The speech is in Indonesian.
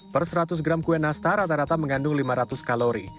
per seratus gram kue nastar rata rata mengandung lima ratus kalori